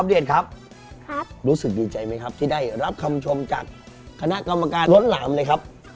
เดชครับรู้สึกดีใจไหมครับที่ได้รับคำชมจากคณะกรรมการล้นหลามเลยครับ